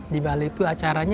di bali itu acaranya